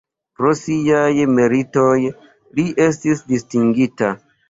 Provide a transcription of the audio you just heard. Pro siaj meritoj li estis distingita.